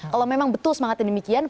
kalau memang betul semangatnya demikian